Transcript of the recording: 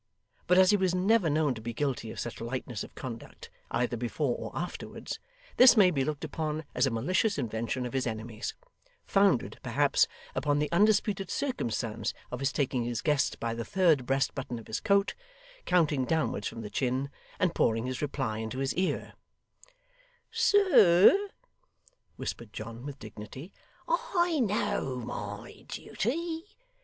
But as he was never known to be guilty of such lightness of conduct either before or afterwards, this may be looked upon as a malicious invention of his enemies founded, perhaps, upon the undisputed circumstance of his taking his guest by the third breast button of his coat, counting downwards from the chin, and pouring his reply into his ear: 'Sir,' whispered John, with dignity, 'I know my duty.